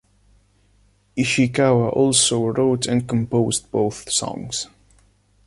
Ishikawa also wrote and composed both songs.